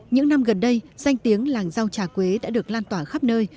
những năm gần đây danh tiếng làng rau trà quế đã được lan tỏa khắp nơi